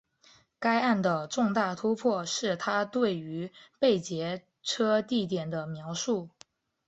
该案的重大突破是她对于被劫车地点的描述。